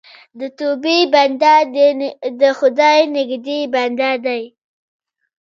د توبې بنده د خدای نږدې بنده دی.